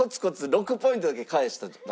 ６ポイントだけ返したんだ。